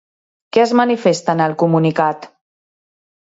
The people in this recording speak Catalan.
Què es manifesta en el comunicat?